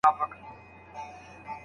د استاد لارښووني تل د شاګرد په ګټه وي.